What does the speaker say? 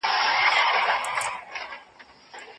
سياست عملي اړخ لري او ټول سياسي اعمال سياست ګڼل کېږي.